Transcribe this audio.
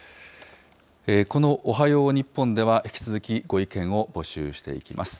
このおはよう日本では引き続きご意見を募集していきます。